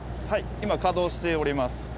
今稼働しております。